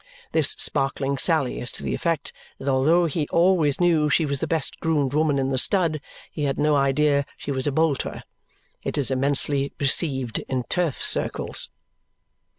This sparkling sally is to the effect that although he always knew she was the best groomed woman in the stud, he had no idea she was a bolter. It is immensely received in turf circles.